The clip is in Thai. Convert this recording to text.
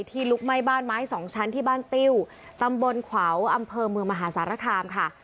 ลุกไหม้บ้านไม้สองชั้นที่บ้านติ้วตำบลขวาวอำเภอเมืองมหาสารคามค่ะ